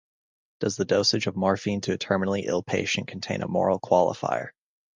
Does the dosage of morphine to a terminally ill patient contain a moral qualifier?